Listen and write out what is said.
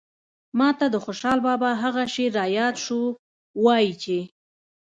ماته د خوشال بابا هغه شعر راياد شو وايي چې